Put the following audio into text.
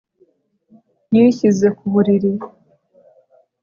Yishyize ku buriri